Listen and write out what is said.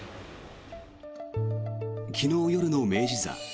昨日夜の明治座。